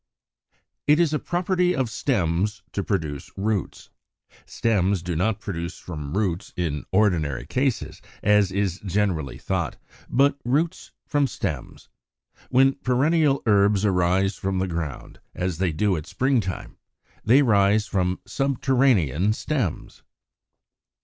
It is a property of stems to produce roots. Stems do not spring from roots in ordinary cases, as is generally thought, but roots from stems. When perennial herbs arise from the ground, as they do at spring time, they rise from subterranean stems.